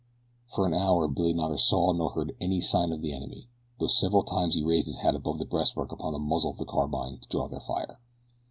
For an hour Billy neither saw nor heard any sign of the enemy, though several times he raised his hat above the breastwork upon the muzzle of his carbine to draw their fire.